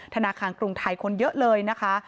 ธนาคารกรุงไทยคนเยอะเลยนะคะ